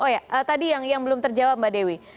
oh ya tadi yang belum terjawab mbak dewi